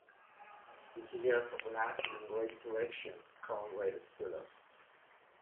You suggest a black and ungrateful action, Comrade Spiller.